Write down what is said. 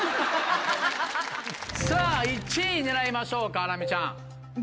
さぁ１位狙いましょうかハラミちゃん。